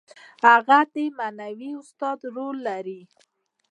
هغه د معنوي استاد رول لري.